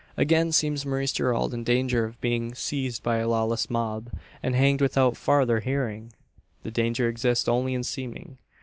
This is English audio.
Again seems Maurice Gerald in danger of being seized by a lawless mob, and hanged without farther hearing! The danger exists only in seeming.